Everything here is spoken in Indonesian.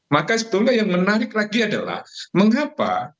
maka sebetulnya yang menarik lagi adalah mengapa